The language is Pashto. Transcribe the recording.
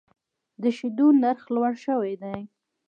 د شیدو نرخ لوړ شوی دی.